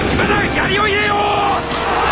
槍を入れよ！